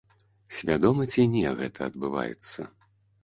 Свядома ці не гэта адбываецца?